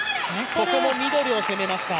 ここもミドルを攻めました。